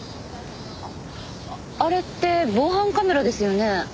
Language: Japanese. あれって防犯カメラですよね？